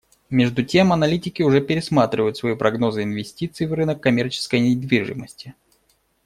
Между тем аналитики уже пересматривают свои прогнозы инвестиций в рынок коммерческой недвижимости.